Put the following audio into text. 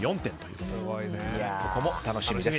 ここも楽しみです。